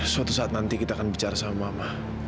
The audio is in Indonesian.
suatu saat nanti kita akan bicara sama mama